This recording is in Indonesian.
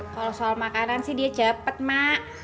kalau soal makanan sih dia cepet mak